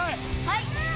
はい！